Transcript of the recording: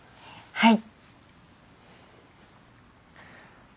はい。